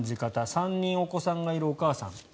３人お子さんがいるお母さん。